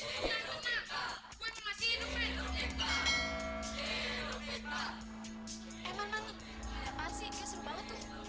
gua mau ngasih hidupin